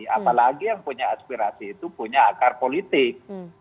apalagi yang punya aspirasi itu punya akar politik